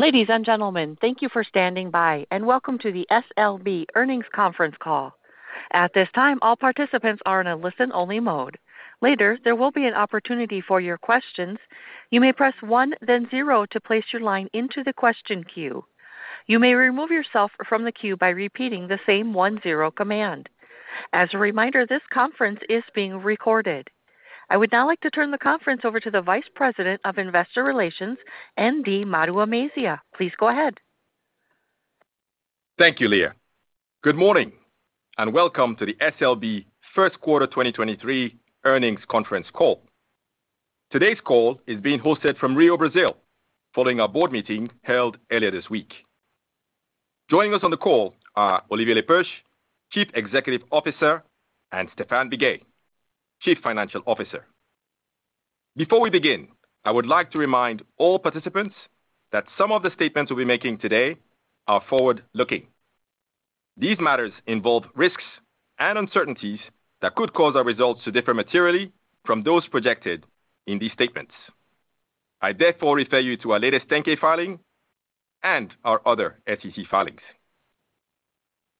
Ladies and gentlemen, thank you for standing by, and welcome to the SLB Earnings Conference Call. At this time, all participants are in a listen-only mode. Later, there will be an opportunity for your questions. You may press 1 then 0 to place your line into the question queue. You may remove yourself from the queue by repeating the same 1-0 command. As a reminder, this conference is being recorded. I would now like to turn the conference over to the Vice President of Investor Relations, Ndubuisi Maduemezia. Please go ahead. Thank you, Leah. Good morning, welcome to the SLB first quarter 2023 earnings conference call. Today's call is being hosted from Rio Brazil, following our board meeting held earlier this week. Joining us on the call are Olivier Le Peuch, Chief Executive Officer, and Stéphane Biguet, Chief Financial Officer. Before we begin, I would like to remind all participants that some of the statements we'll be making today are forward-looking. These matters involve risks and uncertainties that could cause our results to differ materially from those projected in these statements. I therefore refer you to our latest 10-K filing and our other SEC filings.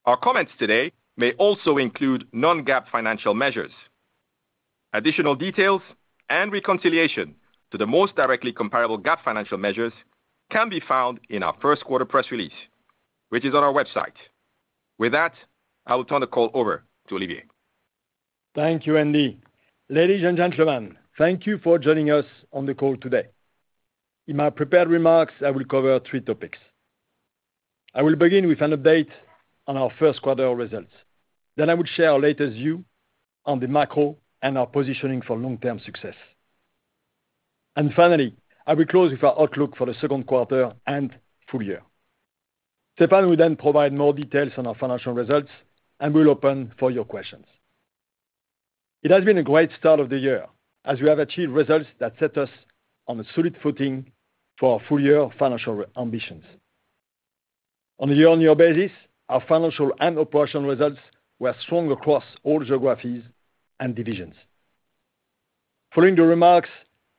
Our comments today may also include non-GAAP financial measures. Additional details and reconciliation to the most directly comparable GAAP financial measures can be found in our first quarter press release, which is on our website. With that, I will turn the call over to Olivier. Thank you, Ndubuisi. Ladies and gentlemen, thank you for joining us on the call today. In my prepared remarks, I will cover three topics. I will begin with an update on our first quarter results. I will share our latest view on the macro and our positioning for long-term success. Finally, I will close with our outlook for the second quarter and full year. Stéphane will provide more details on our financial results, we'll open for your questions. It has been a great start of the year as we have achieved results that set us on a solid footing for our full-year financial ambitions. On a year-on-year basis, our financial and operational results were strong across all geographies and divisions. Following the remarks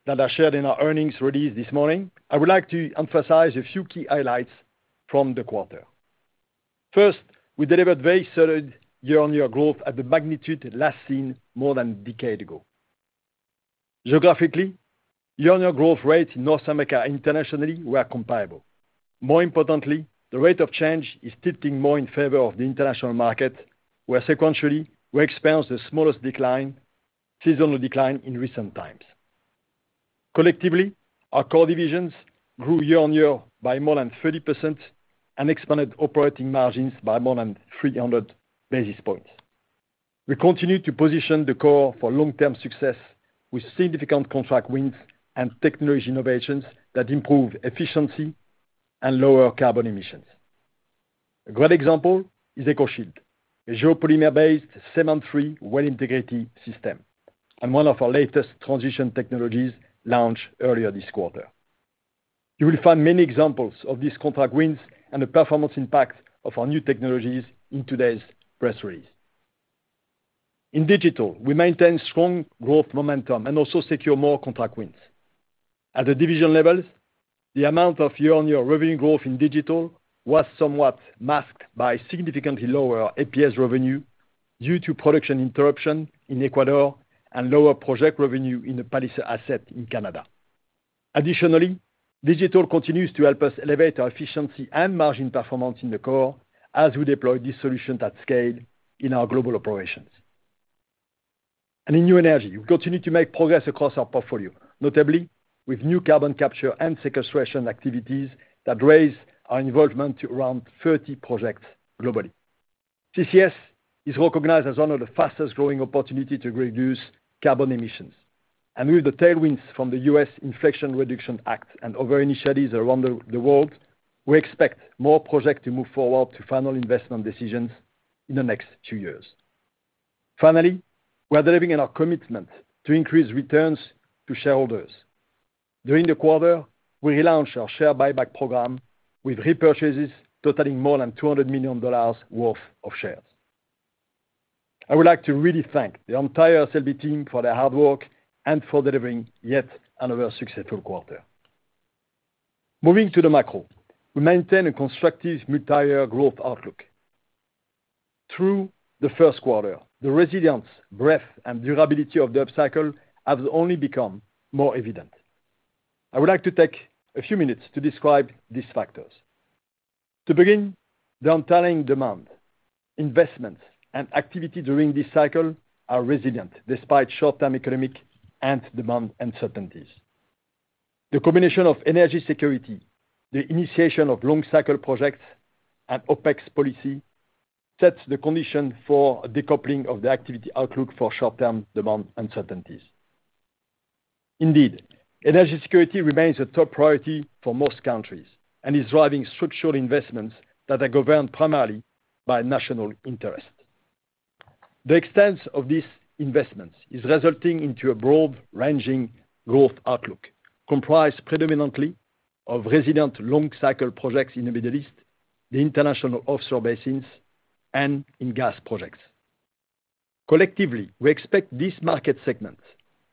that are shared in our earnings release this morning, I would like to emphasize a few key highlights from the quarter. First, we delivered very solid year-on-year growth at the magnitude last seen more than a decade ago. Geographically, year-on-year growth rates in North America internationally were comparable. More importantly, the rate of change is tilting more in favor of the international market, where sequentially we experienced the smallest seasonal decline in recent times. Collectively, our core divisions grew year-on-year by more than 30% and expanded operating margins by more than 300 basis points. We continue to position the core for long-term success with significant contract wins and technology innovations that improve efficiency and lower carbon emissions. A great example is EcoShield, a geopolymer-based cement-free, well-integrated system, and one of our latest transition technologies launched earlier this quarter. You will find many examples of these contract wins and the performance impact of our new technologies in today's press release. In digital, we maintain strong growth momentum and also secure more contract wins. At the division levels, the amount of year-on-year revenue growth in digital was somewhat masked by significantly lower APS revenue due to production interruption in Ecuador and lower project revenue in the Palliser asset in Canada. Additionally, digital continues to help us elevate our efficiency and margin performance in the core as we deploy these solutions at scale in our global operations. In new energy, we continue to make progress across our portfolio, notably with new carbon capture and sequestration activities that raise our involvement to around 30 projects globally. CCS is recognized as one of the fastest-growing opportunity to reduce carbon emissions, with the tailwinds from the US Inflation Reduction Act and other initiatives around the world, we expect more projects to move forward to final investment decisions in the next 2 years. We are delivering on our commitment to increase returns to shareholders. During the quarter, we relaunched our share buyback program with repurchases totaling more than $200,000,000 worth of shares. I would like to really thank the entire SLB team for their hard work and for delivering yet another successful quarter. Moving to the macro, we maintain a constructive multi-year growth outlook. Through the first quarter, the resilience, breadth, and durability of the upcycle have only become more evident. I would like to take a few minutes to describe these factors. The underlying demand, investments, and activity during this cycle are resilient despite short-term economic and demand uncertainties. The combination of energy security, the initiation of long-cycle projects, and OPEC policy sets the condition for a decoupling of the activity outlook for short-term demand uncertainties. Indeed, energy security remains a top priority for most countries and is driving structural investments that are governed primarily by national interest. The extent of these investments is resulting into a broad-ranging growth outlook comprised predominantly of resident long-cycle projects in the Middle East, the international offshore basins, and in gas projects. Collectively, we expect this market segment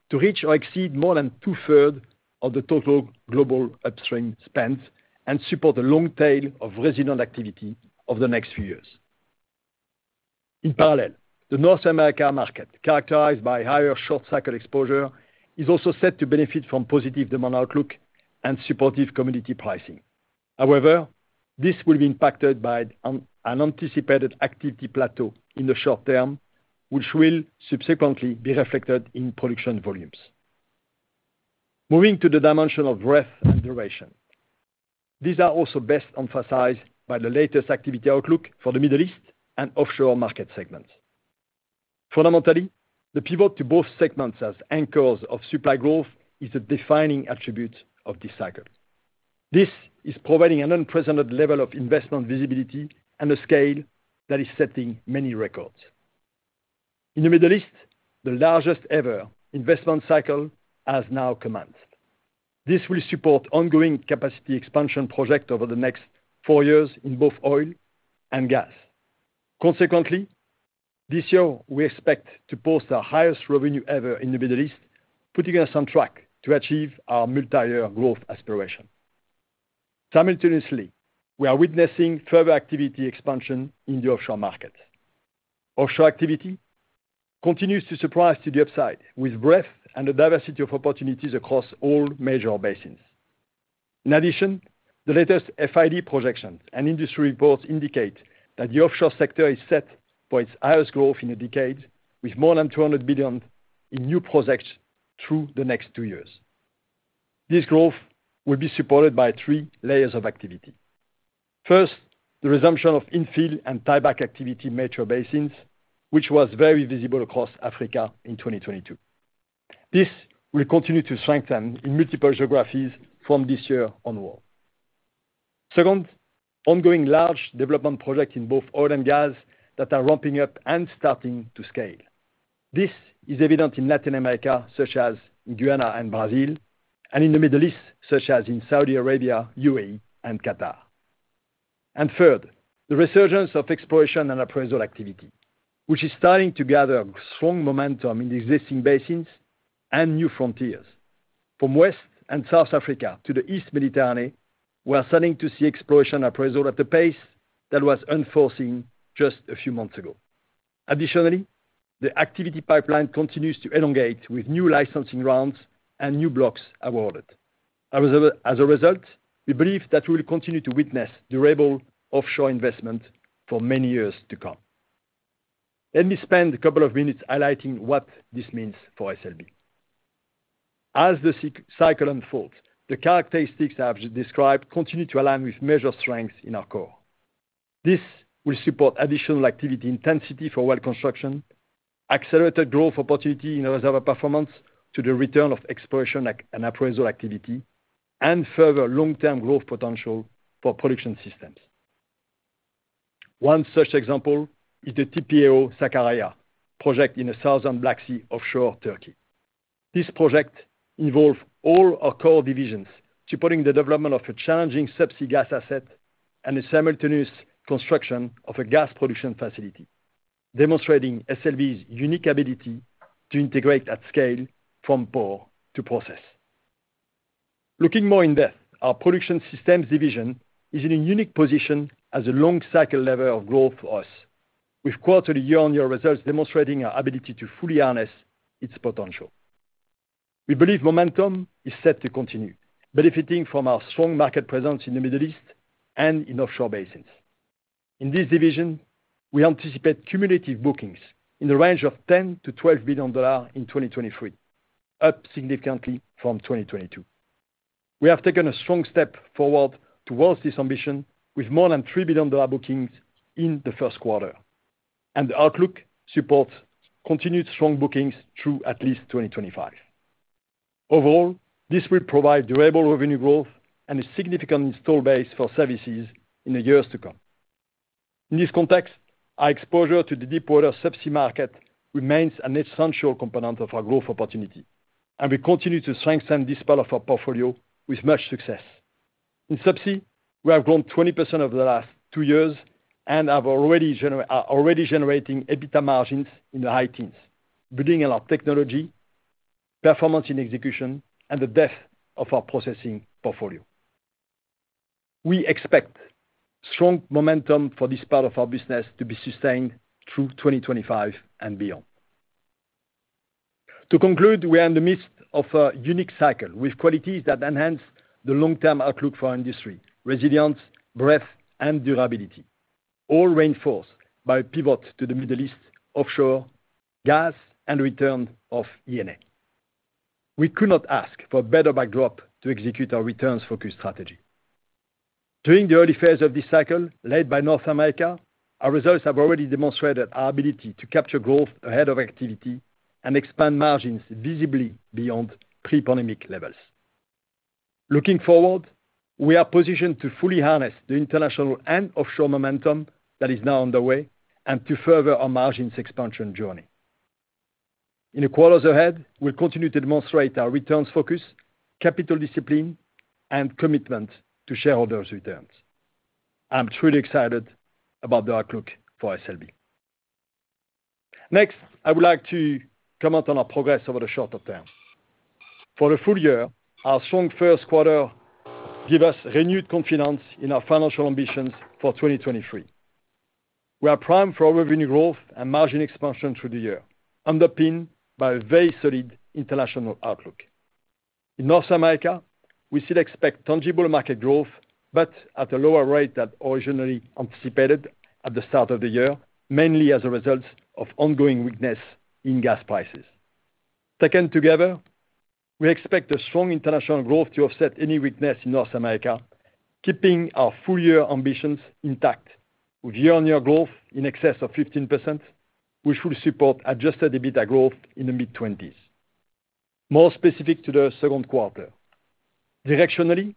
to reach or exceed more than two-third of the total global upstream spend and support the long tail of resident activity over the next few years. In parallel, the North America market, characterized by higher short cycle exposure, is also set to benefit from positive demand outlook and supportive community pricing. However, this will be impacted by an anticipated activity plateau in the short term, which will subsequently be reflected in production volumes. Moving to the dimension of breadth and duration. These are also best emphasized by the latest activity outlook for the Middle East and offshore market segments. The pivot to both segments as anchors of supply growth is a defining attribute of this cycle. This is providing an unprecedented level of investment visibility and a scale that is setting many records. In the Middle East, the largest ever investment cycle has now commenced. This will support ongoing capacity expansion project over the next 4 years in both oil and gas. This year we expect to post our highest revenue ever in the Middle East, putting us on track to achieve our multi-year growth aspiration. We are witnessing further activity expansion in the offshore market. Offshore activity continues to surprise to the upside with breadth and the diversity of opportunities across all major basins. In addition, the latest FID projections and industry reports indicate that the offshore sector is set for its highest growth in a decade, with more than $200 billion in new projects through the next two years. This growth will be supported by three layers of activity. First, the resumption of infill and tieback activity in major basins, which was very visible across Africa in 2022. This will continue to strengthen in multiple geographies from this year onward. Second, ongoing large development projects in both oil and gas that are ramping up and starting to scale. This is evident in Latin America, such as in Guyana and Brazil, and in the Middle East, such as in Saudi Arabia, UAE, and Qatar. Third, the resurgence of exploration and appraisal activity, which is starting to gather strong momentum in existing basins and new frontiers. From West and South Africa to the East Mediterranean, we are starting to see exploration appraisal at a pace that was unforeseen just a few months ago. Additionally, the activity pipeline continues to elongate with new licensing rounds and new blocks awarded. As a result, we believe that we will continue to witness durable offshore investment for many years to come. Let me spend a couple of minutes highlighting what this means for SLB. As the cycle unfolds, the characteristics I have described continue to align with measure strengths in our core. This will support additional activity intensity for well construction, accelerated growth opportunity in reserve performance to the return of exploration and appraisal activity, and further long-term growth potential for production systems. One such example is the TPAO Sakarya project in the Southern Black Sea offshore Turkey. This project involves all our core divisions, supporting the development of a challenging subsea gas asset and the simultaneous construction of a gas production facility, demonstrating SLB's unique ability to integrate at scale from bore to process. Looking more in depth, our production systems division is in a unique position as a long cycle lever of growth for us, with quarter to year-on-year results demonstrating our ability to fully harness its potential. We believe momentum is set to continue, benefiting from our strong market presence in the Middle East and in offshore basins. In this division, we anticipate cumulative bookings in the range of $10 billion-$12 billion in 2023, up significantly from 2022. We have taken a strong step forward towards this ambition with more than $3 billion bookings in the first quarter. The outlook supports continued strong bookings through at least 2025. Overall, this will provide durable revenue growth and a significant install base for services in the years to come. In this context, our exposure to the deepwater subsea market remains an essential component of our growth opportunity, and we continue to strengthen this part of our portfolio with much success. In subsea, we have grown 20% over the last 2 years and have already are already generating EBITDA margins in the high teens, building on our technology, performance in execution, and the depth of our processing portfolio. We expect strong momentum for this part of our business to be sustained through 2025 and beyond. We are in the midst of a unique cycle with qualities that enhance the long-term outlook for our industry, resilience, breadth, and durability, all reinforced by pivot to the Middle East, offshore, gas, and return of E&A. We could not ask for a better backdrop to execute our returns-focused strategy. During the early phase of this cycle, led by North America, our results have already demonstrated our ability to capture growth ahead of activity and expand margins visibly beyond pre-pandemic levels. Looking forward, we are positioned to fully harness the international and offshore momentum that is now underway and to further our margins expansion journey. We'll continue to demonstrate our returns focus, capital discipline, and commitment to shareholders' returns. I'm truly excited about the outlook for SLB. I would like to comment on our progress over the shorter term. For the full year, our strong first quarter give us renewed confidence in our financial ambitions for 2023. We are primed for revenue growth and margin expansion through the year, underpinned by a very solid international outlook. In North America, we still expect tangible market growth, but at a lower rate than originally anticipated at the start of the year, mainly as a result of ongoing weakness in gas prices. Taken together, we expect a strong international growth to offset any weakness in North America, keeping our full year ambitions intact with year-on-year growth in excess of 15%, which will support adjusted EBITDA growth in the mid-20s. More specific to the second quarter, directionally,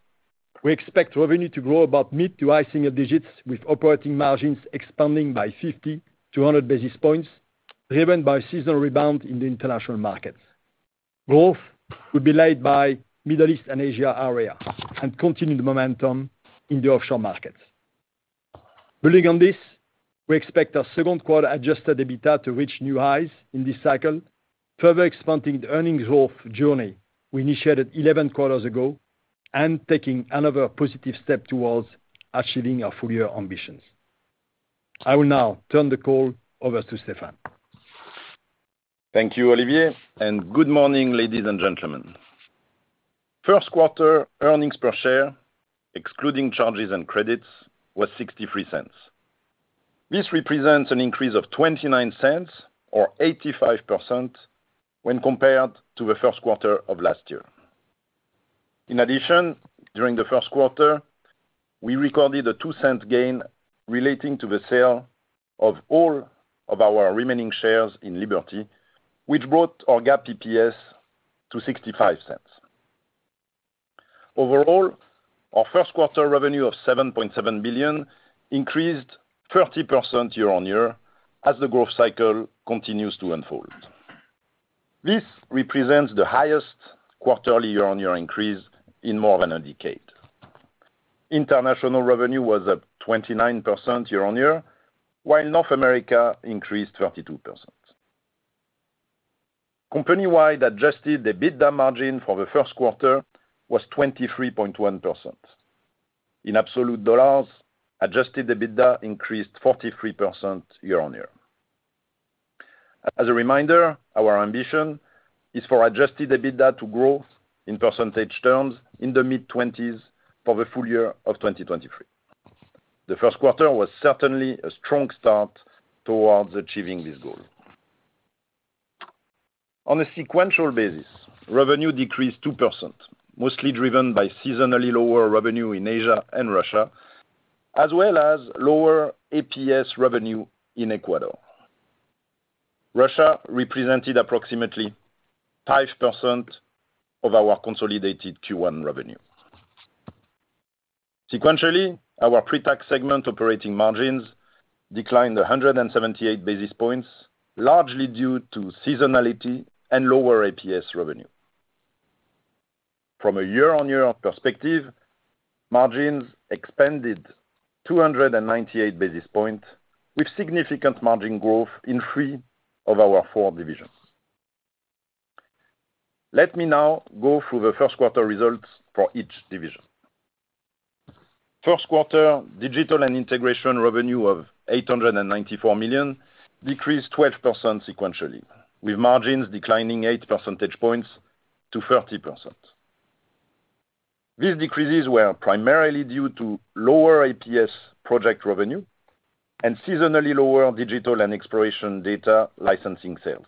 we expect revenue to grow about mid to high single digits, with operating margins expanding by 50-100 basis points, driven by seasonal rebound in the international markets. Growth will be led by Middle East and Asia area and continued momentum in the offshore markets. Building on this, we expect our second quarter adjusted EBITDA to reach new highs in this cycle, further expanding the earnings growth journey we initiated 11 quarters ago and taking another positive step towards achieving our full year ambitions. I will now turn the call over to Stéphane. Thank you, Olivier. Good morning, ladies and gentlemen. First quarter earnings per share, excluding charges and credits, was $0.63. This represents an increase of $0.29 or 85% when compared to the first quarter of last year. In addition, during the first quarter, we recorded a $0.02 gain relating to the sale of all of our remaining shares in Liberty, which brought our GAAP EPS to $0.65. Overall, our first quarter revenue of $7.7 billion increased 30% year-on-year as the growth cycle continues to unfold. This represents the highest quarterly year-on-year increase in more than a decade. International revenue was up 29% year-on-year, while North America increased 32%. Company-wide adjusted EBITDA margin for the first quarter was 23.1%. In absolute dollars, adjusted EBITDA increased 43% year-on-year. As a reminder, our ambition is for adjusted EBITDA to grow in percentage terms in the mid-20s for the full year of 2023. The first quarter was certainly a strong start towards achieving this goal. On a sequential basis, revenue decreased 2%, mostly driven by seasonally lower revenue in Asia and Russia, as well as lower APS revenue in Ecuador. Russia represented approximately 5% of our consolidated Q1 revenue. Sequentially, our pre-tax segment operating margins declined 178 basis points, largely due to seasonality and lower APS revenue. From a year-on-year perspective, margins expanded 298 basis points with significant margin growth in three of our four divisions. Let me now go through the first quarter results for each division. First quarter digital and integration revenue of $894,000,000 decreased 12% sequentially, with margins declining 8 percentage points to 30%. These decreases were primarily due to lower APS project revenue and seasonally lower digital and exploration data licensing sales.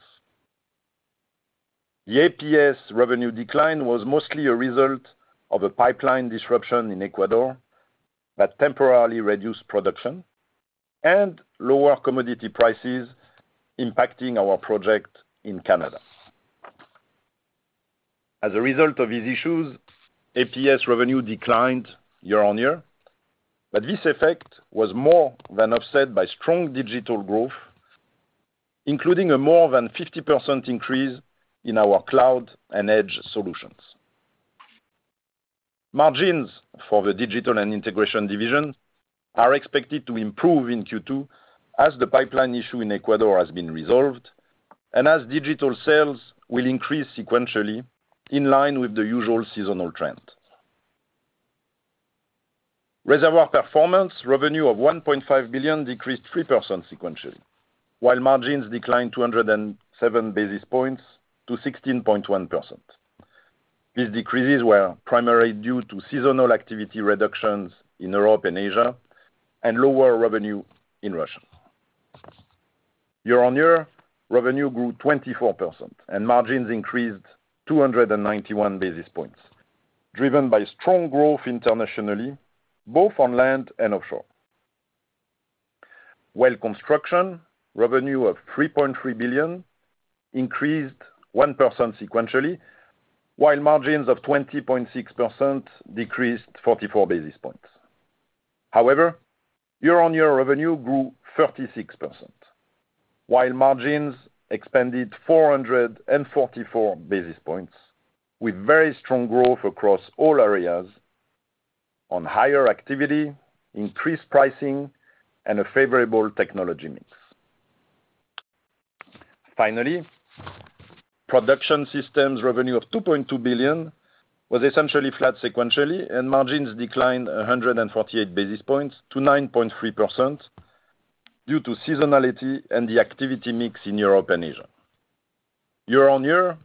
The APS revenue decline was mostly a result of a pipeline disruption in Ecuador that temporarily reduced production and lower commodity prices impacting our project in Canada. As a result of these issues, APS revenue declined year-on-year. This effect was more than offset by strong digital growth, including a more than 50% increase in our cloud and edge solutions. Margins for the digital and integration division are expected to improve in Q2 as the pipeline issue in Ecuador has been resolved and as digital sales will increase sequentially in line with the usual seasonal trends. Reservoir performance revenue of $1.5 billion decreased 3% sequentially, while margins declined 207 basis points to 16.1%. These decreases were primarily due to seasonal activity reductions in Europe and Asia and lower revenue in Russia. Year-on-year, revenue grew 24% and margins increased 291 basis points, driven by strong growth internationally, both on land and offshore. Well construction revenue of $3.3 billion increased 1% sequentially, while margins of 20.6% decreased 44 basis points. However, year-on-year revenue grew 36%, while margins expanded 444 basis points with very strong growth across all areas on higher activity, increased pricing, and a favorable technology mix. Production systems revenue of $2.2 billion was essentially flat sequentially, and margins declined 148 basis points to 9.3% due to seasonality and the activity mix in Europe and Asia. Year-on-year,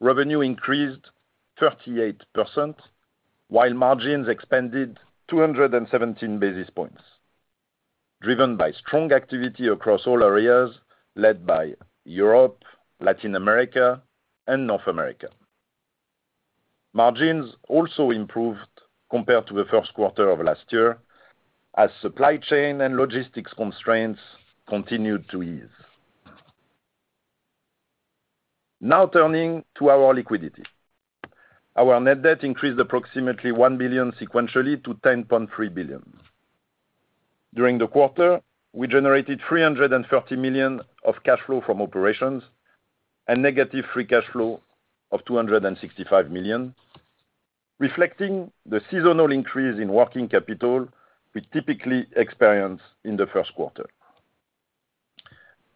revenue increased 38%, while margins expanded 217 basis points, driven by strong activity across all areas led by Europe, Latin America, and North America. Margins also improved compared to the first quarter of last year as supply chain and logistics constraints continued to ease. Turning to our liquidity. Our net debt increased approximately $1 billion sequentially to $10.3 billion. During the quarter, we generated $330,000,000 of cash flow from operations and negative free cash flow of $265,000,000, reflecting the seasonal increase in working capital we typically experience in the first quarter.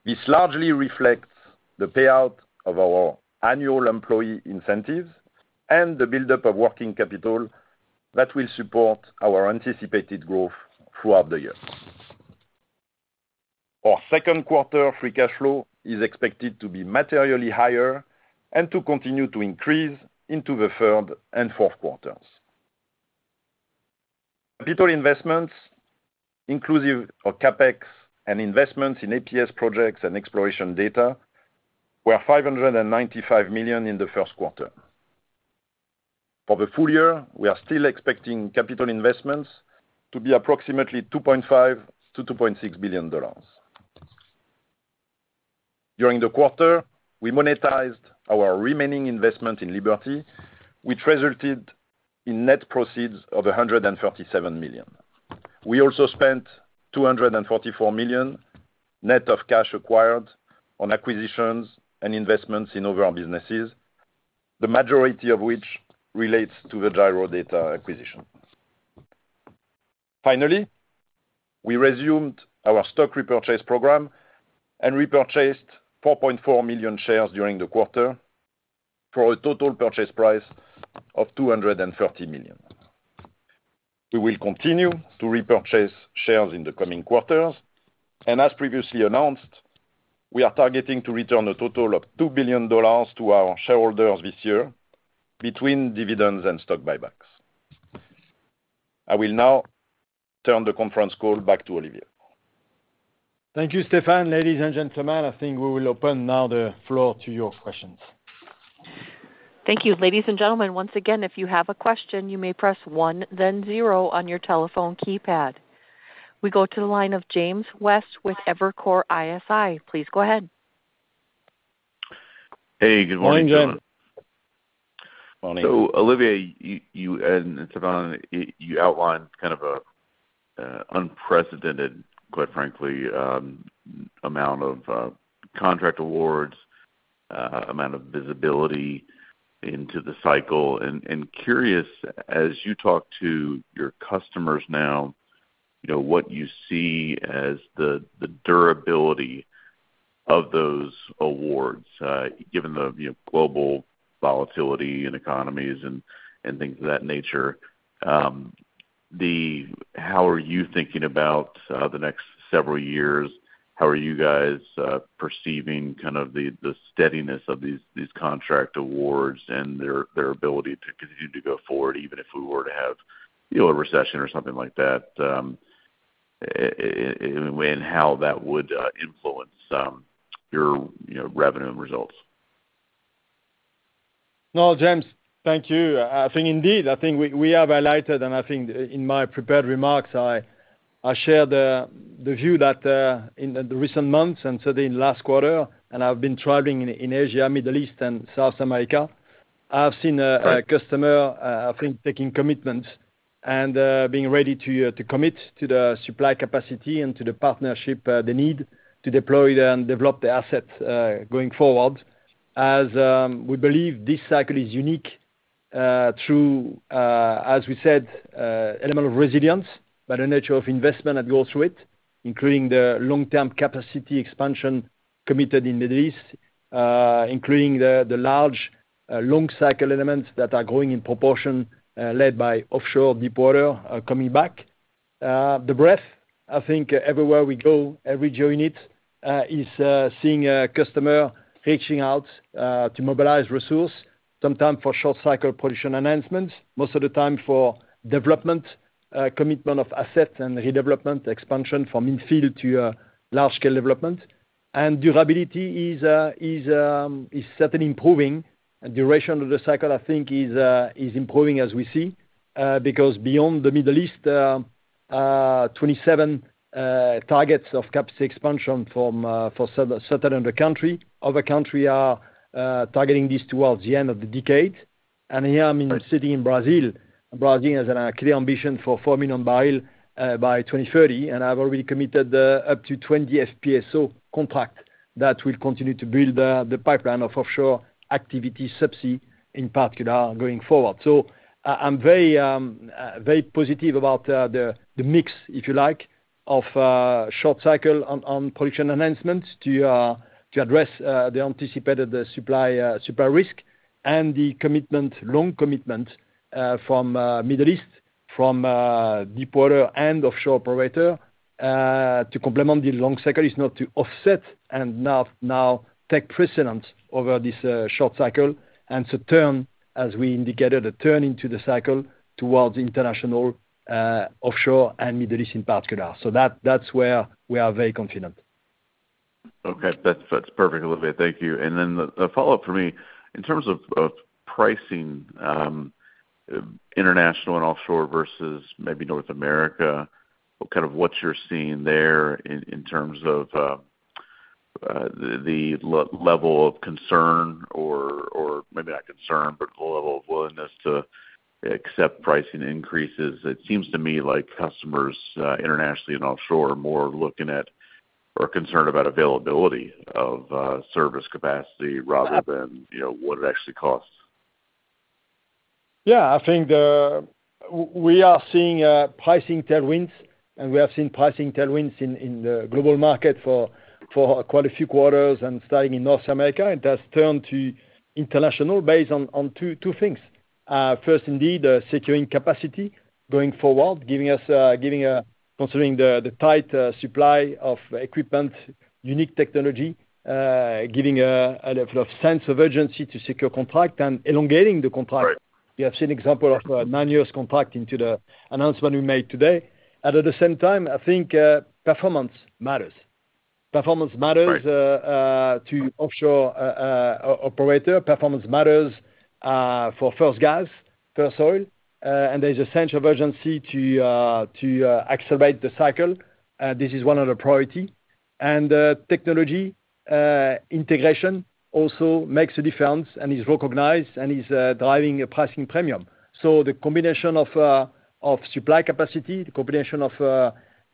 This largely reflects the payout of our annual employee incentives and the buildup of working capital that will support our anticipated growth throughout the year. Our second quarter free cash flow is expected to be materially higher and to continue to increase into the third and fourth quarters. Capital investments inclusive of CapEx and investments in APS projects and exploration data were $595,000,000 in the first quarter. For the full year, we are still expecting capital investments to be approximately $2.5 billion-$2.6 billion. During the quarter, we monetized our remaining investment in Liberty, which resulted in net proceeds of $137,000,000. We also spent $244,000,00net of cash acquired on acquisitions and investments in other businesses, the majority of which relates to the Gyrodata acquisition. We resumed our stock repurchase program and repurchased 4,400,000 shares during the quarter for a total purchase price of $230,000,000. As previously announced, we are targeting to return a total of $2 billion to our shareholders this year between dividends and stock buybacks. I will now turn the conference call back to Olivier. Thank you, Stéphane. Ladies and gentlemen, I think we will open now the floor to your questions. Thank you. Ladies and gentlemen, once again, if you have a question, you may press 1 then 0 on your telephone keypad. We go to the line of James West with Evercore ISI. Please go ahead. Hey, good morning, gentlemen. Good morning, James. Morning. Olivier, you and Stéphane, you outlined kind of a unprecedented, quite frankly, amount of contract awards, amount of visibility into the cycle. Curious, as you talk to your customers now, you know, what you see as the durability of those awards, given the, you know, global volatility in economies and things of that nature? How are you thinking about the next several years? How are you guys perceiving kind of the steadiness of these contract awards and their ability to continue to go forward, even if we were to have, you know, a recession or something like that, and how that would influence your, you know, revenue and results? No, James, thank you. I think indeed, I think in my prepared remarks, I shared the view that in the recent months and so the last quarter, and I've been traveling in Asia, Middle East, and South America, I've seen a customer, I think taking commitment and being ready to commit to the supply capacity and to the partnership they need to deploy and develop the assets going forward. As we believe this cycle is unique, through as we said, element of resilience by the nature of investment that goes through it, including the long-term capacity expansion committed in Middle East, including the large long cycle elements that are growing in proportion, led by offshore deepwater, coming back. The breadth, I think everywhere we go, every joint, is seeing a customer reaching out to mobilize resource, sometime for short cycle production enhancements, most of the time for development, commitment of assets and redevelopment expansion from infield to large-scale development. Durability is certainly improving. Duration of the cycle, I think, is improving as we see, because beyond the Middle East, 27 targets of capacity expansion from for certain other country. Other country are targeting this towards the end of the decade. Here I am in a city in Brazil. Brazil has a clear ambition for 4,000,000 bbl by 2030, and I've already committed up to 20 FPSO contract that will continue to build the pipeline of offshore activity subsea in particular going forward. I'm very positive about the mix, if you like, of short cycle on production enhancements to address the anticipated supply risk and the long commitment from Middle East, from deepwater and offshore operator to complement the long cycle. It's not to offset and now take precedence over this short cycle. To turn, as we indicated, a turn into the cycle towards international offshore and Middle East in particular. That's where we are very confident. Okay. That's perfect, Olivier. Thank you. Then the follow-up for me, in terms of pricing, international and offshore versus maybe North America, kind of what you're seeing there in terms of the level of concern or maybe not concern, but the level of willingness to accept pricing increases. It seems to me like customers, internationally and offshore are more looking at or concerned about availability of service capacity rather than, you know, what it actually costs. I think we are seeing pricing tailwinds. We have seen pricing tailwinds in the global market for quite a few quarters. Starting in North America, it has turned to international based on two things. First, indeed, securing capacity going forward, giving us, giving considering the tight supply of equipment, unique technology, giving a level of sense of urgency to secure contract and elongating the contract. Right. We have seen example of, 9 years contract into the announcement we made today. At the same time, I think, performance matters. Performance matters- Right. to offshore operator. Performance matters for first gas, first oil, and there's a sense of urgency to accelerate the cycle. This is one of the priority. Technology integration also makes a difference and is recognized and is driving a pricing premium. The combination of supply capacity, the combination of,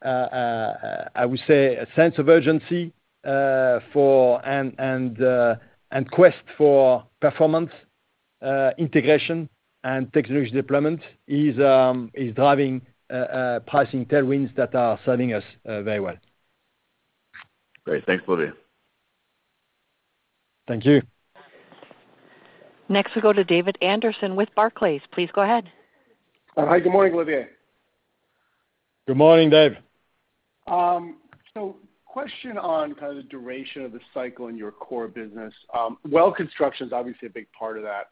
I would say a sense of urgency for and quest for performance, integration and technology deployment is driving pricing tailwinds that are serving us very well. Great. Thanks, Olivier. Thank you. Next we go to David Anderson with Barclays. Please go ahead. Hi. Good morning, Olivier. Good morning, Dave. Question on kind of the duration of the cycle in your core business. Well construction is obviously a big part of that.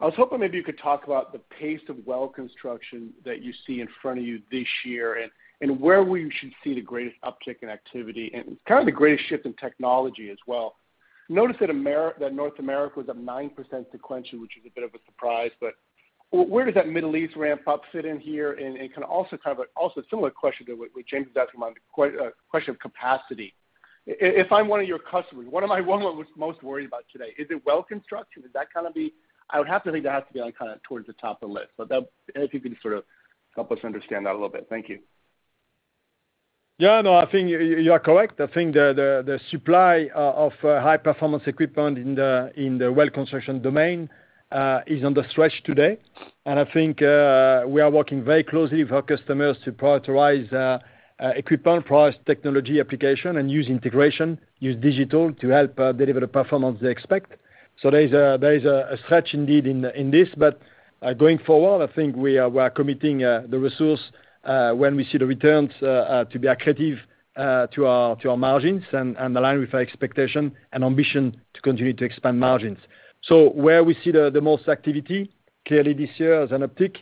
I was hoping maybe you could talk about the pace of well construction that you see in front of you this year and where we should see the greatest uptick in activity and kind of the greatest shift in technology as well. Noticed that North America was up 9% sequentially, which is a bit of a surprise, but where does that Middle East ramp up fit in here? Can also kind of also similar question to what James was asking about question of capacity. If I'm one of your customers, what am I one of most worried about today? Is it well construction? Does that kinda be... I would have to think that has to be like, kind of towards the top of the list. That, if you can sort of help us understand that a little bit. Thank you. Yeah, no, I think you are correct. I think the supply of high performance equipment in the well construction domain is under stretch today. I think we are working very closely with our customers to prioritize equipment, price, technology application, and use integration, use digital to help deliver the performance they expect. There is a stretch indeed in this, going forward, I think we are committing the resource when we see the returns to be accretive to our margins and align with our expectation and ambition to continue to expand margins. Where we see the most activity clearly this year as an uptick,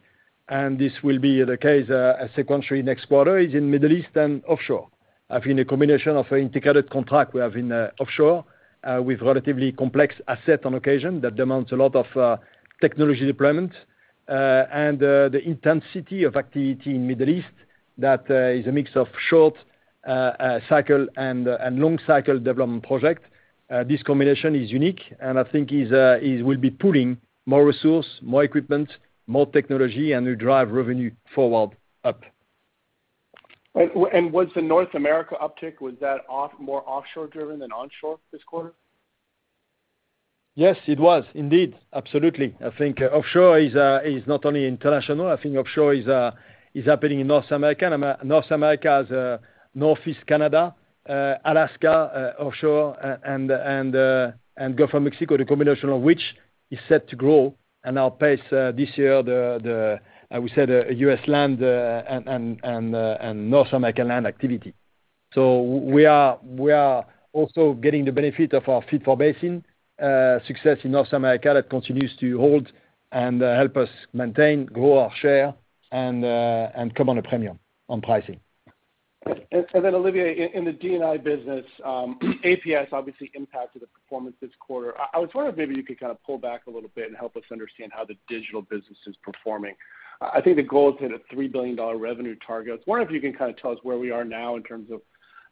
this will be the case as sequentially next quarter, is in Middle East and offshore. I think a combination of integrated contract we have in offshore, with relatively complex asset on occasion that demands a lot of technology deployment, and the intensity of activity in Middle East that is a mix of short cycle and long cycle development project. This combination is unique and I think is will be pulling more resource, more equipment, more technology and will drive revenue forward up. Was the North America uptick, was that more offshore driven than onshore this quarter? Yes, it was indeed. Absolutely. I think offshore is not only international. I think offshore is happening in North America. North America has Northeast Canada, Alaska, offshore and Gulf of Mexico, the combination of which is set to grow and outpace this year the, I would say the, U.S. land and North American land activity. We are also getting the benefit of our fit-for-basin success in North America that continues to hold and help us maintain, grow our share and command a premium on pricing. Then Olivier, in the DNI business, APS obviously impacted the performance this quarter. I was wondering if maybe you could kind of pull back a little bit and help us understand how the digital business is performing. I think the goal is to hit a $3 billion revenue target. I was wondering if you can kind of tell us where we are now in terms of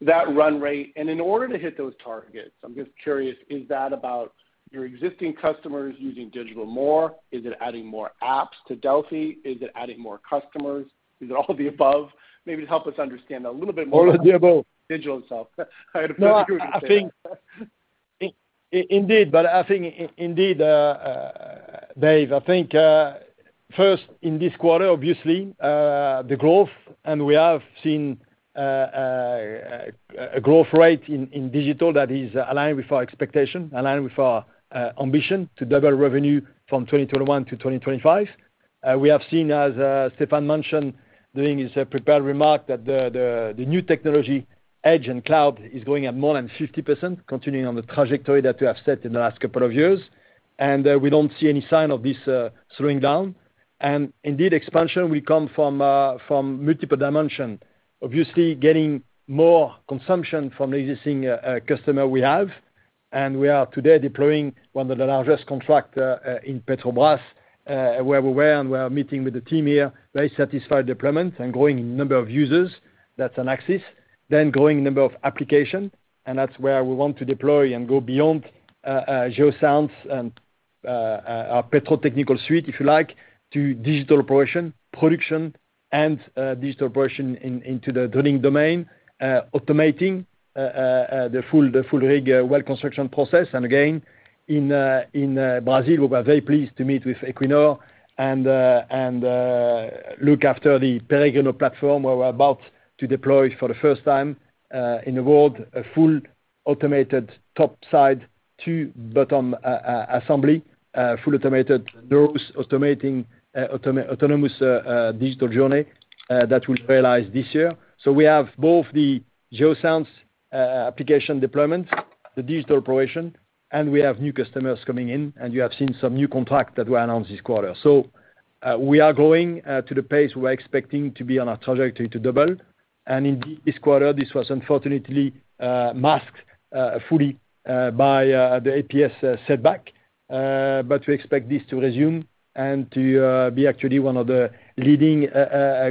that run rate. In order to hit those targets, I'm just curious, is that about your existing customers using digital more? Is it adding more apps to Delfi? Is it adding more customers? Is it all the above? Maybe help us understand a little bit more. All of the above.... digital itself. I had a feeling you were gonna say that. No, I think. Indeed, but I think indeed, Dave, I think, first in this quarter, obviously, the growth and we have seen a growth rate in digital that is aligned with our expectation, aligned with our ambition to double revenue from 2021 to 2025. We have seen, as Stéphane mentioned during his prepared remark that the new technology edge and cloud is growing at more than 50%, continuing on the trajectory that we have set in the last couple of years. We don't see any sign of this slowing down. Indeed, expansion will come from multiple dimension. Obviously, getting more consumption from the existing customer we have. We are today deploying one of the largest contract, in Petrobras, where we were, and we are meeting with the team here, very satisfied deployment and growing number of users. That's an axis. Growing number of application, and that's where we want to deploy and go beyond, GeoSound and, our petrotechnical suite, if you like, to digital operation, production and, digital operation into the drilling domain, automating, the full rig, well construction process. Again, in Brazil, we were very pleased to meet with Equinor and look after the Peregrino platform, where we're about to deploy for the first time in the world, a full automated top side to bottom assembly, full automated drones, automating autonomous digital journey that we'll realize this year. We have both the GeoSound application deployment, the digital operation, and we have new customers coming in, and you have seen some new contract that we announced this quarter. We are growing to the pace we're expecting to be on our trajectory to double. Indeed, this quarter, this was unfortunately masked fully by the APS setback. We expect this to resume and to be actually one of the leading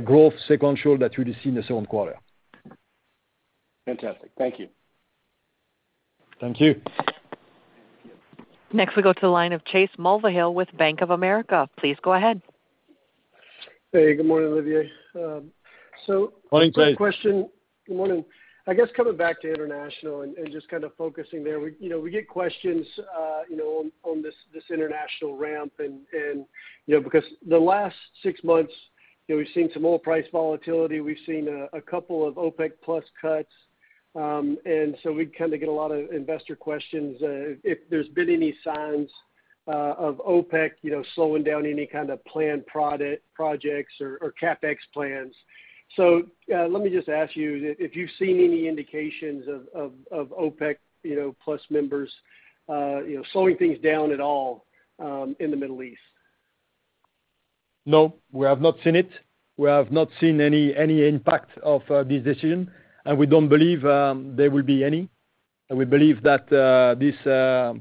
growth sequential that we will see in the second quarter. Fantastic. Thank you. Thank you. Next we go to the line of Chase Mulvehill with Bank of America. Please go ahead. Hey, good morning, Olivier. Morning, Chase. One question. Good morning. I guess coming back to international and just kind of focusing there. We, you know, we get questions, you know, on this international ramp and, you know, because the last 6 months, you know, we've seen some oil price volatility, we've seen a couple of OPEC plus cuts. We kind of get a lot of investor questions, if there's been any signs of OPEC, you know, slowing down any kind of planned projects or CapEx plans. Let me just ask you if you've seen any indications of OPEC, you know, plus members, you know, slowing things down at all in the Middle East. No, we have not seen it. We have not seen any impact of this decision. We don't believe there will be any. We believe that these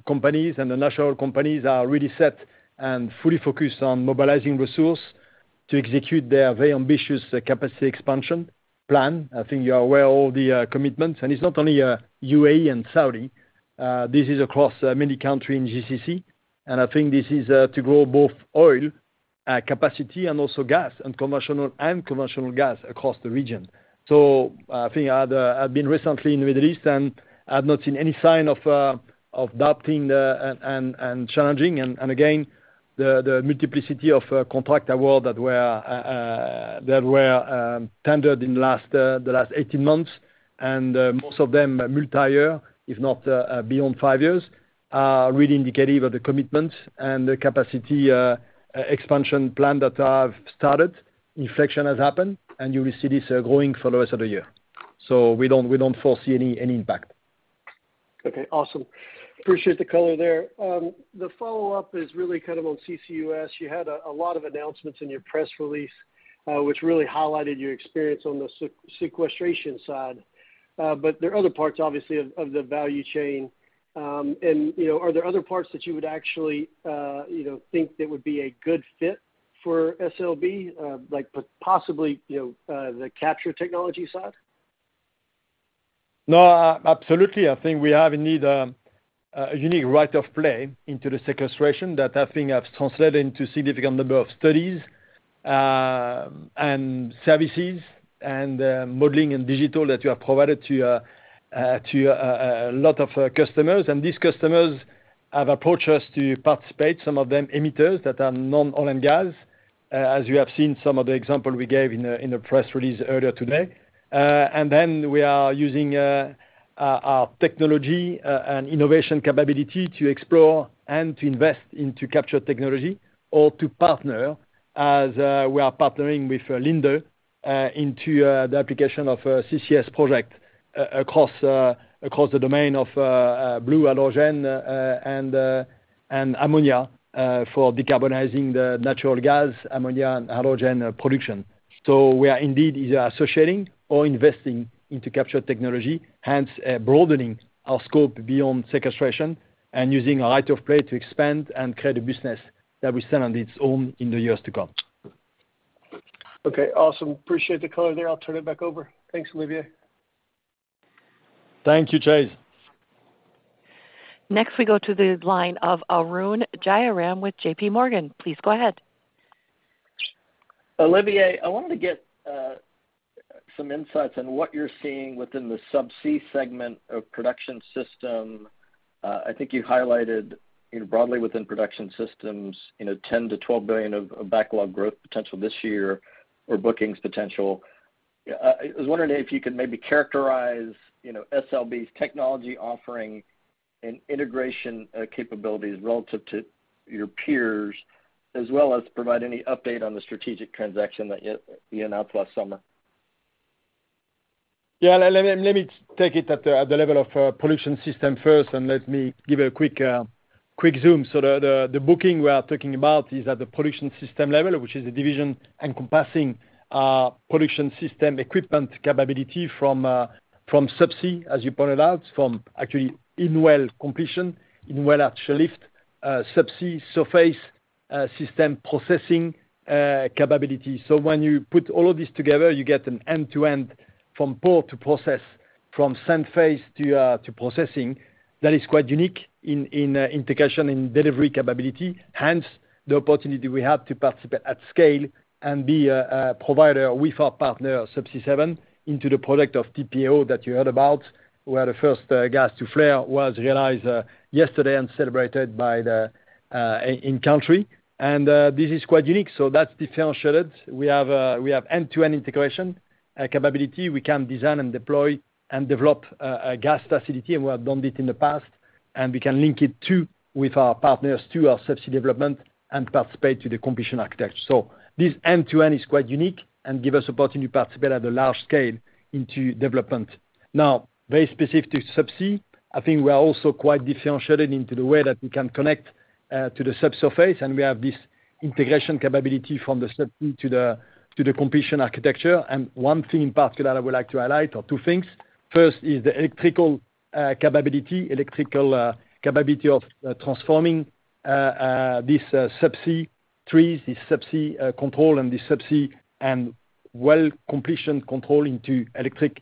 companies and the national companies are really set and fully focused on mobilizing resource to execute their very ambitious capacity expansion plan. I think you are aware of the commitments. It's not only UA and Saudi. This is across many country in GCC. I think this is to grow both oil capacity and also gas and commercial, and commercial gas across the region. I think I'd, I've been recently in the Middle East, and I've not seen any sign of doubting the, and challenging and, again, the multiplicity of contract award that were tendered in the last 18 months. Most of them multi-year, if not beyond 5 years, are really indicative of the commitment and the capacity expansion plan that have started. Inflection has happened, and you will see this growing for the rest of the year. We don't foresee any impact. Okay. Awesome. Appreciate the color there. The follow-up is really kind of on CCUS. You had a lot of announcements in your press release, which really highlighted your experience on the sequestration side. There are other parts, obviously, of the value chain. You know, are there other parts that you would actually, you know, think that would be a good fit for SLB? Like possibly, you know, the capture technology side? Absolutely. I think we have indeed, a unique right of play into the sequestration that I think has translated into significant number of studies and services and modeling and digital that we have provided to a lot of customers. These customers have approached us to participate, some of them emitters that are non-oil and gas, as you have seen some of the example we gave in the press release earlier today. And then we are using our technology and innovation capability to explore and to invest into capture technology or to partner as we are partnering with Linde into the application of CCS project across the domain of blue hydrogen and ammonia for decarbonizing the natural gas, ammonia, and hydrogen production. We are indeed either associating or investing into capture technology, hence broadening our scope beyond sequestration and using a right of play to expand and create a business that will stand on its own in the years to come. Okay, awesome. Appreciate the color there. I'll turn it back over. Thanks, Olivier. Thank you, Chase. Next, we go to the line of Arun Jayaram with JP Morgan. Please go ahead. Olivier, I wanted to get some insights on what you're seeing within the subsea segment of production system. I think you highlighted, you know, broadly within production systems, you know, $10 billion-$12 billion of backlog growth potential this year or bookings potential. I was wondering if you could maybe characterize, you know, SLB's technology offering and integration capabilities relative to your peers, as well as provide any update on the strategic transaction that you announced last summer. Yeah. Let me take it at the level of production system first, and let me give you a quick zoom. The booking we are talking about is at the production system level, which is a division encompassing production system equipment capability from from subsea, as you pointed out, from actually in well completion, in well actual lift, subsea surface, system processing, capability. When you put all of this together, you get an end-to-end from port to process, from sand phase to processing. That is quite unique in integration and delivery capability, hence the opportunity we have to participate at scale and be a provider with our partner Subsea 7 into the project of TPO that you heard about, where the first gas to flare was realized yesterday and celebrated by the in country. This is quite unique, so that's differentiated. We have end-to-end integration capability. We can design and deploy and develop a gas facility, and we have done this in the past. We can link it to with our partners, to our subsea development and participate to the completion architecture. This end-to-end is quite unique and give us opportunity to participate at a large scale into development. Now, very specific to subsea, I think we are also quite differentiated into the way that we can connect to the subsurface, and we have this integration capability from the subsea to the completion architecture. One thing in particular I would like to highlight or two things. First is the electrical capability, electrical capability of transforming this subsea trees, the subsea control and the subsea and well completion control into electric,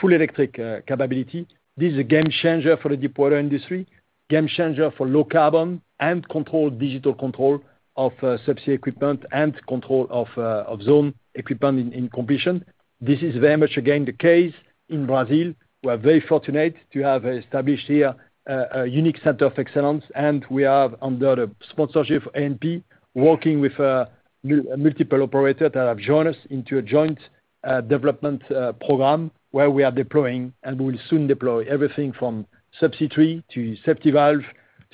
full electric capability. This is a game changer for the deepwater industry, game changer for low carbon and control, digital control of subsea equipment and control of zone equipment in completion. This is very much again the case in Brazil. We are very fortunate to have established here a unique center of excellence, and we have, under the sponsorship of ANP, working with multiple operator that have joined us into a joint development program where we are deploying and will soon deploy everything from subsea tree to safety valve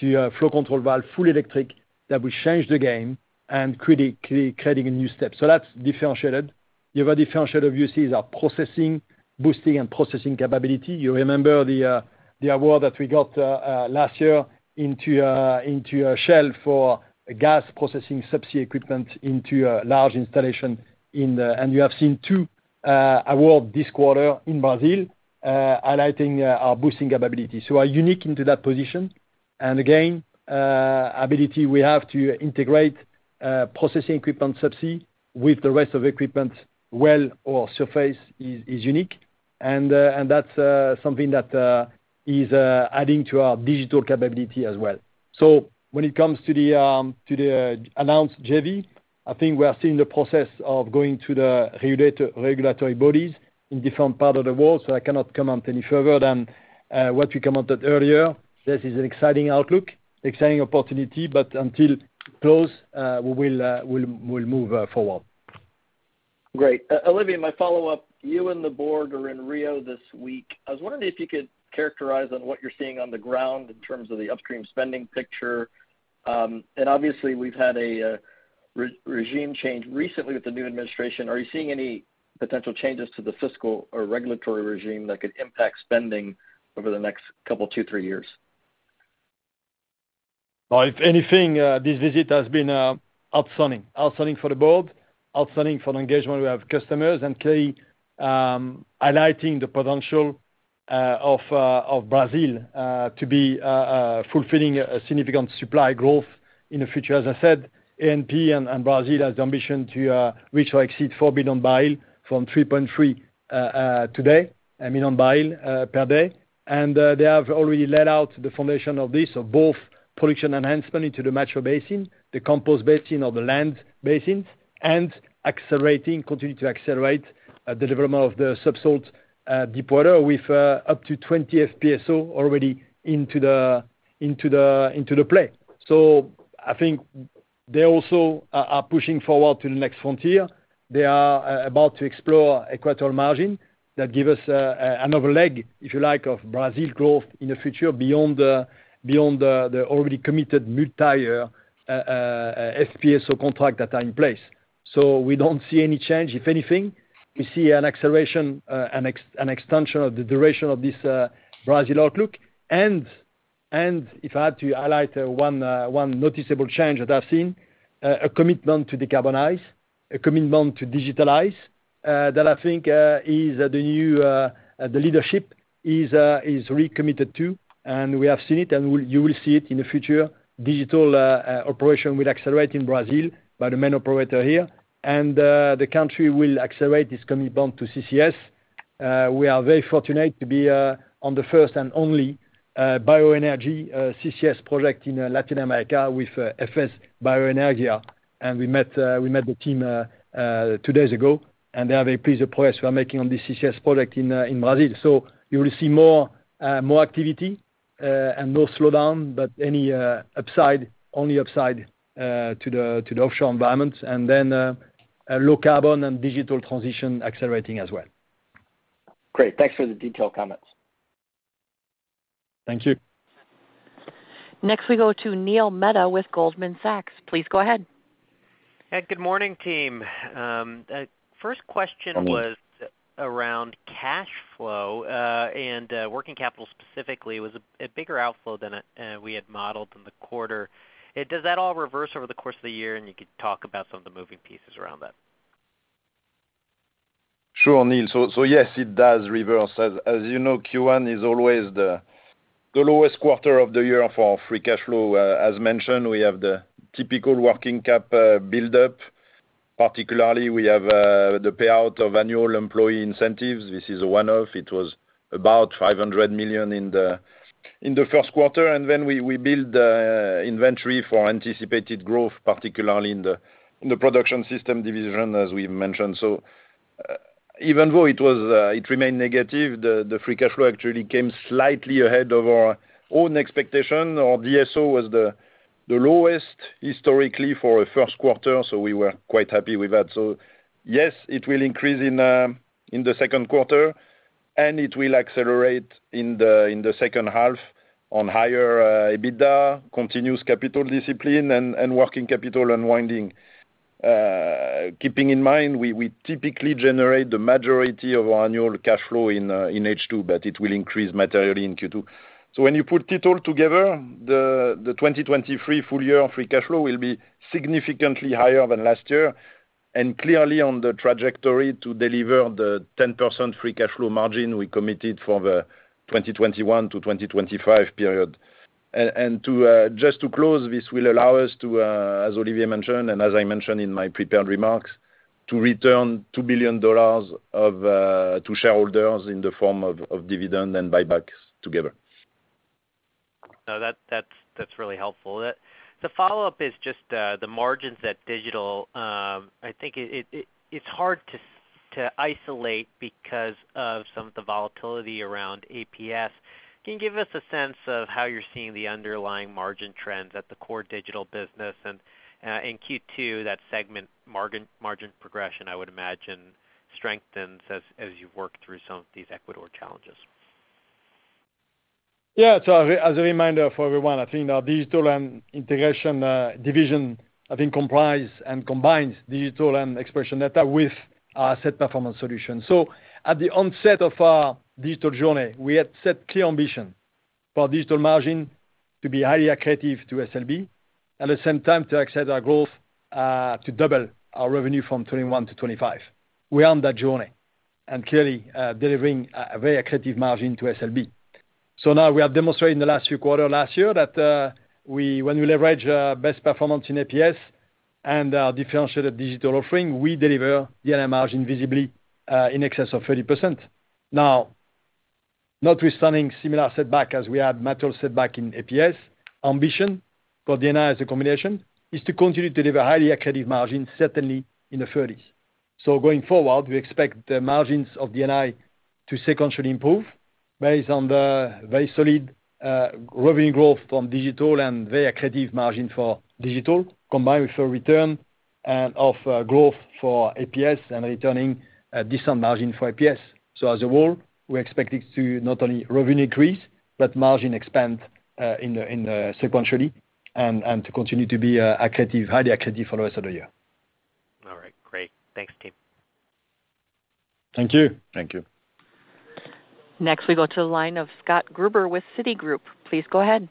to flow control valve, full electric, that will change the game and critically creating a new step. That's differentiated. The other differentiator you see is our processing, boosting and processing capability. You remember the award that we got last year into Shell for gas processing subsea equipment into a large installation in the... You have seen 2 award this quarter in Brazil highlighting our boosting capabilities. Our unique into that position, and again, ability we have to integrate processing equipment subsea with the rest of equipment well or surface is unique. That's something that is adding to our digital capability as well. When it comes to the announced JV, I think we are seeing the process of going to the regulatory bodies in different parts of the world, so I cannot comment any further than what we commented earlier. This is an exciting outlook, exciting opportunity, but until close, we'll move forward. Great. Olivier, my follow-up, you and the board are in Rio this week. I was wondering if you could characterize on what you're seeing on the ground in terms of the upstream spending picture. Obviously we've had a regime change recently with the new administration. Are you seeing any potential changes to the fiscal or regulatory regime that could impact spending over the next couple, two, three years? If anything, this visit has been outstanding. Outstanding for the board, outstanding for the engagement we have with customers, and clearly, highlighting the potential of Brazil to be fulfilling a significant supply growth in the future. As I said, ANP and Brazil has the ambition to reach or exceed 4,000,000 bbl from 3.3 today, a million barrel per day. They have already laid out the foundation of this, of both production enhancement into the Neuquén Basin, the Campos Basin or the land basins, and accelerating, continue to accelerate, development of the sub-salt deepwater with up to 20 FPSO already into the play. I think they also are pushing forward to the next frontier. They are about to explore Equatorial Margin that give us another leg, if you like, of Brazil growth in the future beyond the already committed multi-year FPSO contract that are in place. We don't see any change. If anything, we see an acceleration, an extension of the duration of this Brazil outlook. If I had to highlight one noticeable change that I've seen, a commitment to decarbonize, a commitment to digitalize, that I think is the new, the leadership is recommitted to, and we have seen it, and you will see it in the future. Digital operation will accelerate in Brazil by the main operator here. The country will accelerate its commitment to CCS. We are very fortunate to be on the first and only bioenergy CCS project in Latin America with FS Bioenergia. We met the team two days ago, and they are very pleased with the progress we're making on the CCS project in Brazil. You will see more activity and no slowdown, but any upside, only upside to the offshore environment. Then, a low carbon and digital transition accelerating as well. Great. Thanks for the detailed comments. Thank you. Next we go to Neil Mehta with Goldman Sachs. Please go ahead. Hey, good morning, team. First question. Morning... around cash flow, and working capital specifically. It was a bigger outflow than we had modeled in the quarter. Does that all reverse over the course of the year? You could talk about some of the moving pieces around that. Sure, Neil. Yes, it does reverse. As you know, Q1 is always the lowest quarter of the year for free cash flow. As mentioned, we have the typical working cap buildup. Particularly, we have the payout of annual employee incentives. This is one-off. It was about $500,000,000 in the first quarter. Then we build inventory for anticipated growth, particularly in the production system division, as we mentioned. Even though it remained negative, the free cash flow actually came slightly ahead of our own expectation. Our DSO was the lowest historically for a first quarter, so we were quite happy with that. Yes, it will increase in the second quarter, and it will accelerate in the second half on higher EBITDA, continuous capital discipline and working capital unwinding. Keeping in mind, we typically generate the majority of our annual cash flow in H2, but it will increase materially in Q2. When you put it all together, the 2023 full year free cash flow will be significantly higher than last year, and clearly on the trajectory to deliver the 10% free cash flow margin we committed for the 2021-2025 period. To just to close, this will allow us to, as Olivier Le Peuch mentioned, and as I mentioned in my prepared remarks, to return $2 billion to shareholders in the form of dividend and buybacks together. No, that's really helpful. The follow-up is just the margins at Digital. I think it's hard to isolate because of some of the volatility around APS. Can you give us a sense of how you're seeing the underlying margin trends at the core Digital business? In Q2, that segment margin progression, I would imagine, strengthens as you work through some of these Ecuador challenges. Yeah. As a reminder for everyone, I think our digital and integration division, I think comprise and combines digital and exploration data with our asset performance solution. At the onset of our digital journey, we had set clear ambition for our digital margin to be highly accretive to SLB. At the same time to accelerate our growth, to double our revenue from 21 to 25. We are on that journey and clearly delivering a very accretive margin to SLB. Now we have demonstrated in the last few quarter last year that when we leverage best performance in APS and our differentiated digital offering, we deliver DNI margin visibly in excess of 30%. Notwithstanding similar setback as we had material setback in APS, ambition for DNI as a combination is to continue to deliver highly accretive margin, certainly in the 30s. Going forward, we expect the margins of DNI to sequentially improve based on the very solid revenue growth from digital and very accretive margin for digital, combined with a return of growth for APS and returning a decent margin for APS. As a whole, we're expecting to not only revenue increase, but margin expand in sequentially and to continue to be accretive, highly accretive for the rest of the year. All right. Great. Thanks, team. Thank you. Thank you. Next, we go to the line of Scott Gruber with Citigroup. Please go ahead.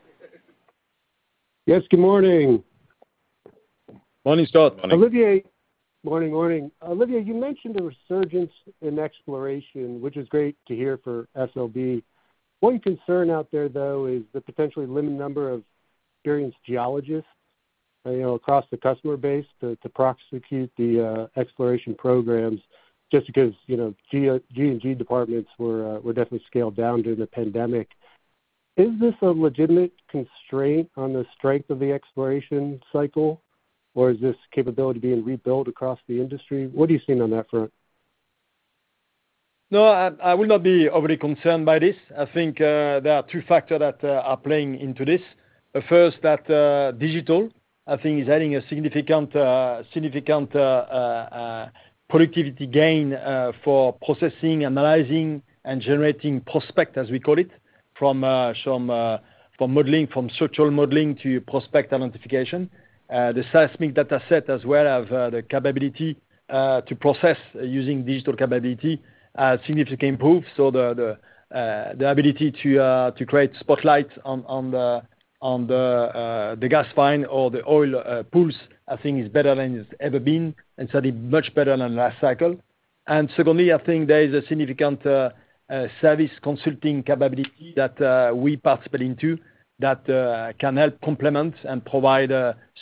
Yes, good morning. Morning, Scott. Morning. Morning, morning. Olivier, you mentioned a resurgence in exploration, which is great to hear for SLB. One concern out there, though, is the potentially limited number of experienced geologists, you know, across the customer base to prosecute the exploration programs just because, you know, G&G departments were definitely scaled down during the pandemic. Is this a legitimate constraint on the strength of the exploration cycle, or is this capability being rebuilt across the industry? What are you seeing on that front? No, I would not be overly concerned by this. I think there are two factors that are playing into this. The first that digital, I think, is adding a significant productivity gain for processing, analyzing, and generating prospect, as we call it, from modeling, from structural modeling to prospect identification. The seismic dataset as well have the capability to process using digital capability, significantly improved. The ability to create spotlights on the gas find or the oil pools, I think, is better than it's ever been, and certainly much better than last cycle. Secondly, I think there is a significant service consulting capability that we participate into that can help complement and provide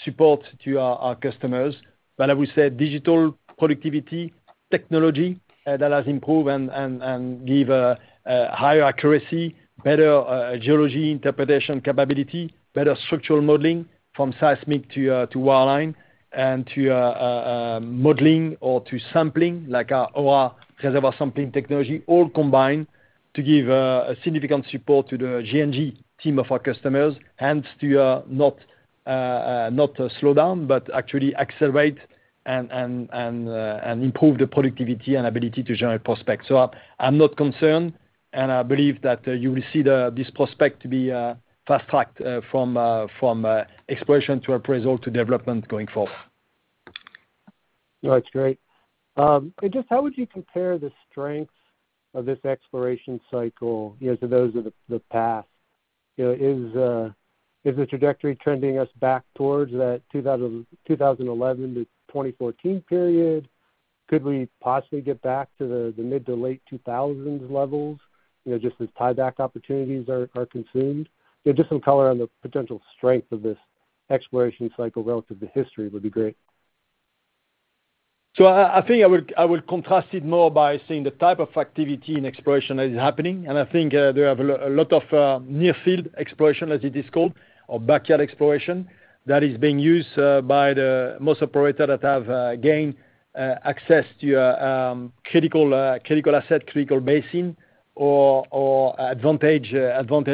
support to our customers. I would say digital productivity technology that has improved and give a higher accuracy, better geology interpretation capability, better structural modeling from seismic to wireline and to modeling or to sampling like our ORA reservoir sampling technology, all combine to give a significant support to the G&G team of our customers and to not slow down but actually accelerate and improve the productivity and ability to generate prospects. I'm not concerned, and I believe that you will see this prospect to be fast-tracked from exploration to appraisal to development going forward. No, that's great. Just how would you compare the strengths of this exploration cycle, you know, to those of the past? You know, is the trajectory trending us back towards that 2011 to 2014 period? Could we possibly get back to the mid to late 2000s levels, you know, just as tieback opportunities are consumed? You know, just some color on the potential strength of this exploration cycle relative to history would be great. I think I would, I would contrast it more by saying the type of activity in exploration that is happening, and I think they have a lot of near field exploration, as it is called, or backyard exploration that is being used by the most operator that have gained access to critical asset, critical basin or advantage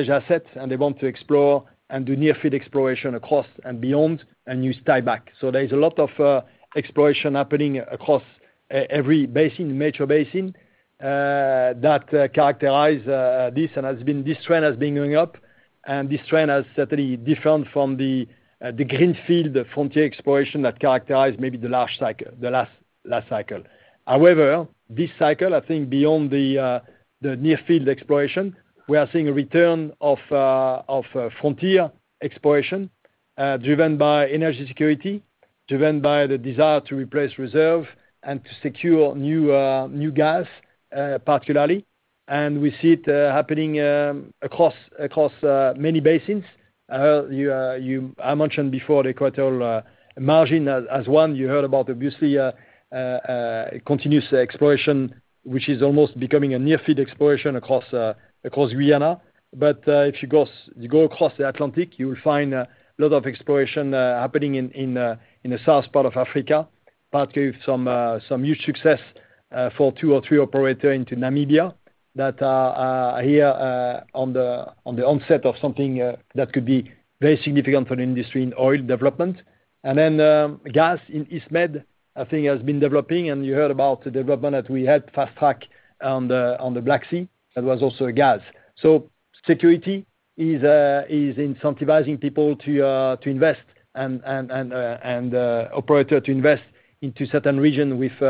assets. They want to explore and do near field exploration across and beyond and use tieback. There is a lot of exploration happening across every basin, major basin that characterize this and has been. This trend has been going up, and this trend has certainly different from the greenfield, the frontier exploration that characterized maybe the last cycle, the last cycle. However, this cycle, I think beyond the near field exploration, we are seeing a return of frontier exploration, driven by energy security, driven by the desire to replace reserve and to secure new gas, particularly. We see it happening across many basins. I mentioned before the Equatorial Margin as one. You heard about obviously continuous exploration, which is almost becoming a near field exploration across Guyana. If you go across the Atlantic, you will find a lot of exploration happening in the south part of Africa, particularly with some huge success for 2 or 3 operator into Namibia that are here on the onset of something that could be very significant for the industry in oil development. Gas in East Med, I think has been developing, and you heard about the development that we had fast-track on the Black Sea. That was also a gas. Security is incentivizing people to invest and operator to invest into certain region with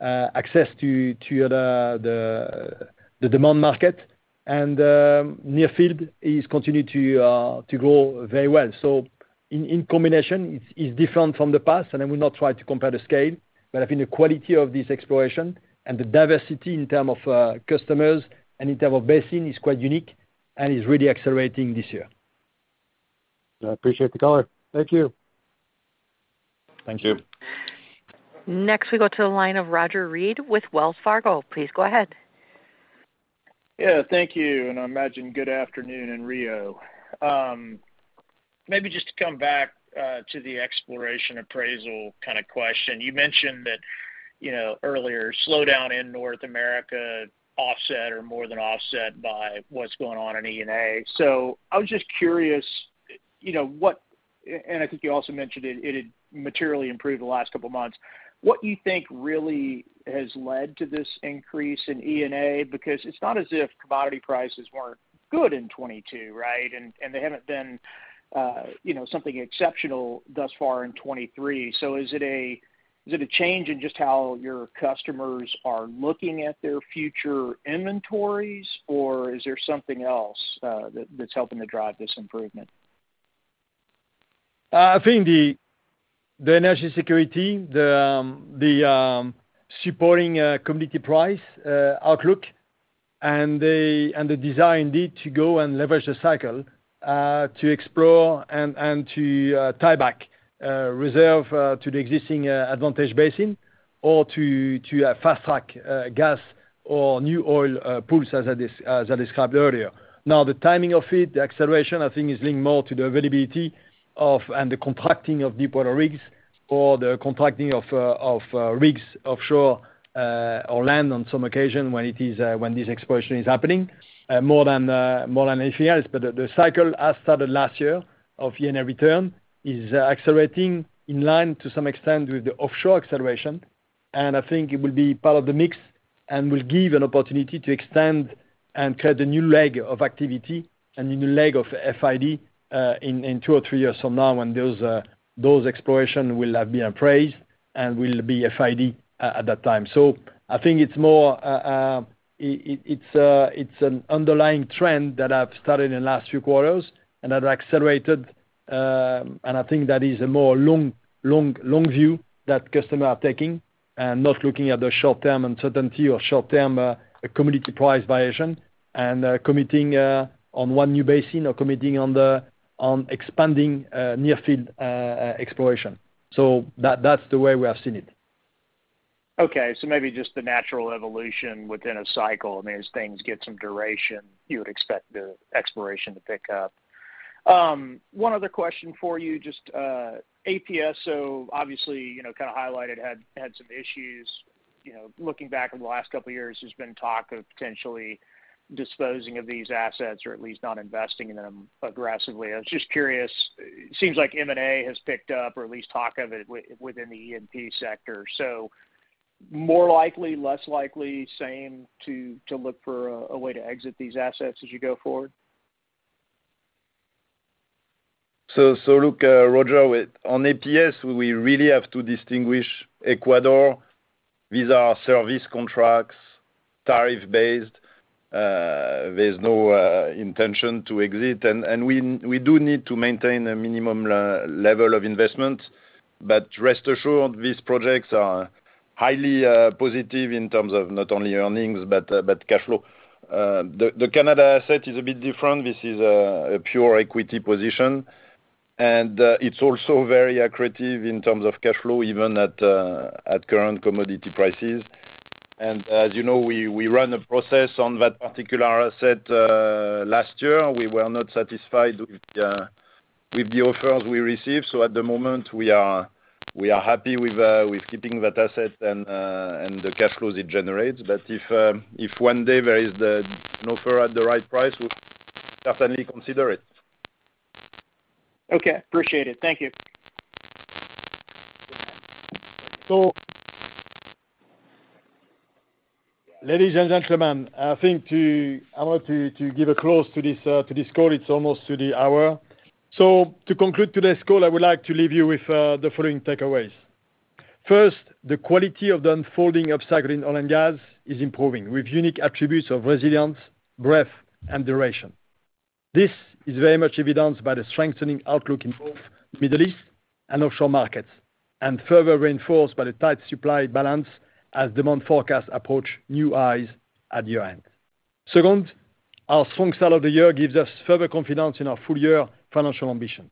access to the demand market. Near field is continuing to grow very well. In combination, it's different from the past, and I will not try to compare the scale. I think the quality of this exploration and the diversity in term of customers and in term of basin is quite unique and is really accelerating this year. I appreciate the color. Thank you. Thank you. Next we go to the line of Roger Read with Wells Fargo. Please go ahead. Yeah. Thank you. I imagine good afternoon in Rio. Maybe just to come back to the exploration appraisal kind of question. You mentioned that, you know, earlier, slowdown in North America offset or more than offset by what's going on in E&A. I was just curious, you know, I think you also mentioned it had materially improved the last couple of months. What you think really has led to this increase in E&A? It's not as if commodity prices weren't good in 2022, right? And they haven't been, you know, something exceptional thus far in 2023. Is it a change in just how your customers are looking at their future inventories, or is there something else that's helping to drive this improvement? I think the energy security, the supporting commodity price outlook and the, and the desire indeed to go and leverage the cycle to explore and to tie back reserve to the existing advantage basin or to fast-track gas or new oil pools as I described earlier. The timing of it, the acceleration, I think is linked more to the availability of, and the contracting of deepwater rigs or the contracting of rigs offshore, or land on some occasion when it is, when this exploration is happening, more than anything else. The cycle has started last year of unit return is accelerating in line to some extent with the offshore acceleration. I think it will be part of the mix and will give an opportunity to extend and create a new leg of activity and a new leg of FID in 2 or 3 years from now when those exploration will have been appraised and will be FID at that time. I think it's more, it's an underlying trend that have started in the last few quarters and have accelerated, I think that is a more long view that customer are taking and not looking at the short-term uncertainty or short-term commodity price variation and committing on 1 new basin or committing on the, on expanding near-field exploration. That's the way we have seen it. Okay. Maybe just the natural evolution within a cycle. I mean, as things get some duration, you would expect the exploration to pick up. One other question for you, just APS, obviously, you know, kind of highlighted had some issues, you know, looking back over the last couple of years, there's been talk of potentially disposing of these assets or at least not investing in them aggressively. I was just curious, seems like M&A has picked up or at least talk of it within the E&P sector. More likely, less likely, same to look for a way to exit these assets as you go forward? Look, Roger, on APS, we really have to distinguish Ecuador. These are service contracts, tariff-based. There's no intention to exit. We do need to maintain a minimum level of investment. Rest assured, these projects are highly positive in terms of not only earnings but cash flow. The Canada asset is a bit different. This is a pure equity position, and it's also very accretive in terms of cash flow, even at current commodity prices. As you know, we run a process on that particular asset last year. We were not satisfied with the offers we received. At the moment, we are happy with keeping that asset and the cash flows it generates. If one day there is an offer at the right price, we'll definitely consider it. Okay. Appreciate it. Thank you. Ladies and gentlemen, I want to give a close to this call. It's almost to the hour. To conclude today's call, I would like to leave you with the following takeaways. First, the quality of the unfolding upcycle in oil and gas is improving with unique attributes of resilience, breadth, and duration. This is very much evidenced by the strengthening outlook in both Middle East and offshore markets, and further reinforced by the tight supply balance as demand forecasts approach new highs at year-end. Second, our strong start of the year gives us further confidence in our full year financial ambition.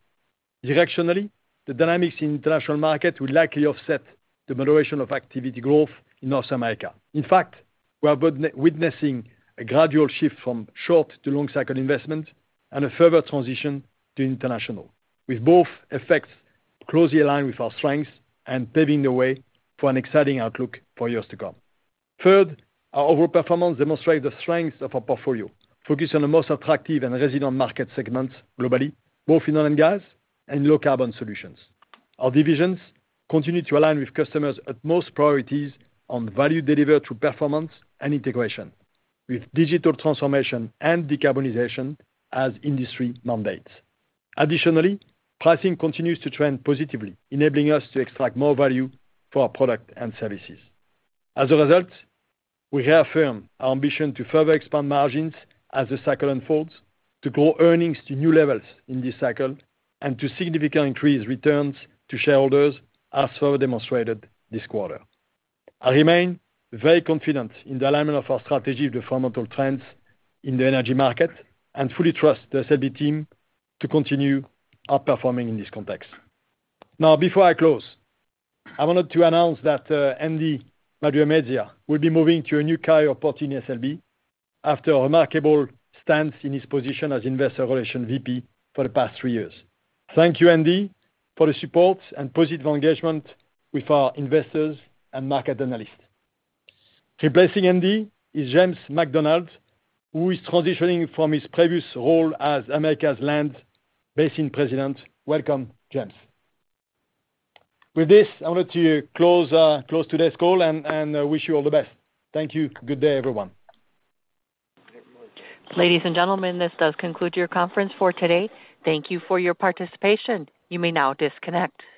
Directionally, the dynamics in international market will likely offset the moderation of activity growth in North America. In fact, we are witnessing a gradual shift from short to long cycle investment and a further transition to international, with both effects closely aligned with our strengths and paving the way for an exciting outlook for years to come. Third, our overall performance demonstrate the strength of our portfolio, focused on the most attractive and resilient market segments globally, both in oil and gas and low carbon solutions. Our divisions continue to align with customers at most priorities on value delivered through performance and integration with digital transformation and decarbonization as industry mandates. Additionally, pricing continues to trend positively, enabling us to extract more value for our product and services. As a result, we affirm our ambition to further expand margins as the cycle unfolds, to grow earnings to new levels in this cycle, and to significantly increase returns to shareholders as so demonstrated this quarter. I remain very confident in the alignment of our strategy with the fundamental trends in the energy market and fully trust the SLB team to continue outperforming in this context. Now, before I close, I wanted to announce that Ndubuisi Maduemezia will be moving to a new career opportunity in SLB after a remarkable stance in his position as Investor Relations VP for the past three years. Thank you, Ndubuisi, for the support and positive engagement with our investors and market analysts. Replacing Ndubuisi is James McDonald, who is transitioning from his previous role as Americas Land Basin President. Welcome, James. With this, I wanted to close today's call and wish you all the best. Thank you. Good day, everyone. Ladies and gentlemen, this does conclude your conference for today. Thank you for your participation. You may now disconnect.